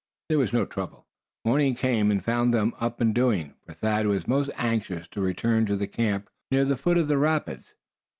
There was no trouble. Morning came, and found them up and doing; for Thad was most anxious to return to the camp near the foot of the rapids.